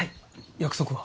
約束は？